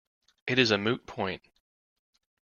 It is a moot point.